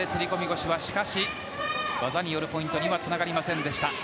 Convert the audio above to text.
腰は技によるポイントにはつながりません。